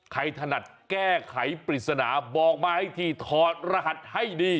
ถนัดแก้ไขปริศนาบอกมาให้ทีถอดรหัสให้ดี